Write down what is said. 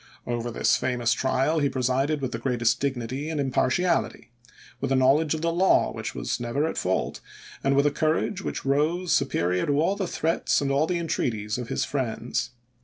Over this famous trial he presided with the greatest dignity and impartiality ; with a knowledge of law which was never at fault, and with a courage which rose su perior to all the threats and all the entreaties of his friends.